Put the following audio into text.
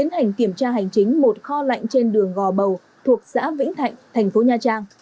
hành chính một kho lạnh trên đường gò bầu thuộc xã vĩnh thạnh thành phố nha trang